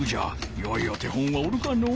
よいお手本はおるかのう。